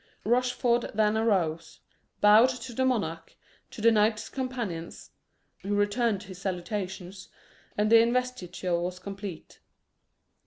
Rochford then arose, bowed to the monarch, to the knights companions, who returned his salutations, and the investiture was complete.